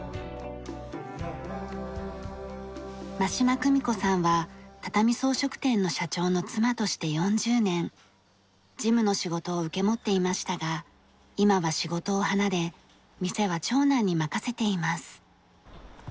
間島久美子さんは畳装飾店の社長の妻として４０年事務の仕事を受け持っていましたが今は仕事を離れ店は長男に任せています。